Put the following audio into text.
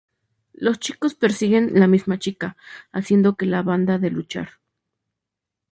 Los chicos persiguen la misma chica, haciendo que la banda de luchar.